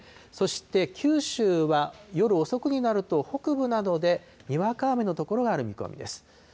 そして九州は夜遅くになると、北部などでにわか雨の所がある見込みです。